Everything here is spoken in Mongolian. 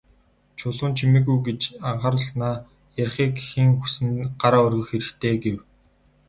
Чулуун «Чимээгүй» гэж анхааруулснаа "Ярихыг хэн хүснэ, гараа өргөх хэрэгтэй" гэв.